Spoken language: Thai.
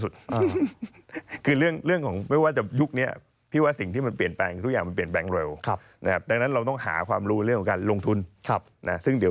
เดี๋ยวมาเล่าให้ฟัง